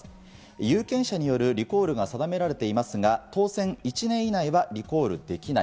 有権者によるリコールが定められていますが、当選１年以内はリコールできない。